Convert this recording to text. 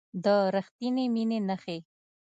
د ریښتینې مینې نښې